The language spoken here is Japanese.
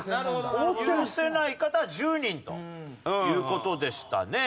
許せない方は１０人という事でしたね。